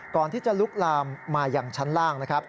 ก่อนที่จะลุกลามมาอย่างชั้นล่างนะครับ